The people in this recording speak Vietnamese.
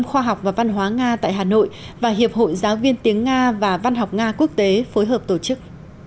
khoa học và văn hóa nga tại hà nội và hiệp hội giáo viên tiếng nga và văn học nga quốc tế phối hợp tổ chức